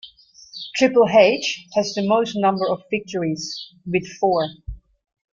Triple H has the most number of victories, with four.